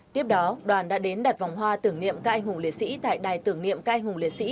tiếp đó đoàn đã đến đặt vòng hoa tưởng niệm các anh hùng liệt sĩ tại đài tưởng niệm các anh hùng liệt sĩ